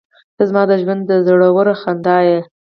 • ته زما د ژونده زړور خندا یې.